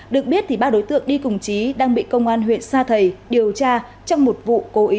được biết ba đối tượng đi cùng trí đang bị công an huyện sa thầy điều tra trong một vụ cố ý